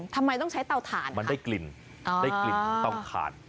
ทำไมต้องใช้เตาถ่านมันได้กลิ่นเตาถ่าน